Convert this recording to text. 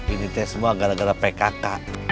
ini te semua gara gara pkk